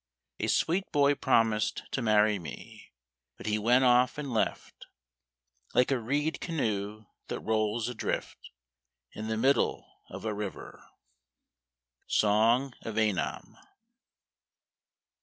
A sweet boy promised to marry me, But he went away and left Like a reed canoe that rolls adrift In the middle of a river. _Song of Annam.